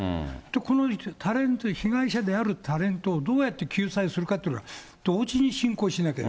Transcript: このタレント、被害者であるタレントをどうやって救済するかっていうの、同時に進行しなきゃ。